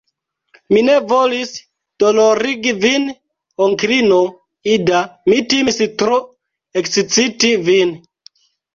Mi ne volis dolorigi vin, onklino Ida; mi timis tro eksciti vin.